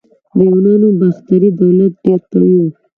د یونانو باختري دولت ډیر قوي و